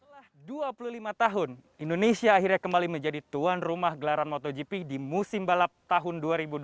setelah dua puluh lima tahun indonesia akhirnya kembali menjadi tuan rumah gelaran motogp di musim balap tahun dua ribu dua puluh